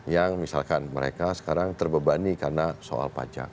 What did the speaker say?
yang misalkan mereka sekarang terbebani karena soal pajak